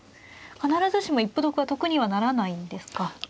必ずしも一歩得は得にはならないんですか。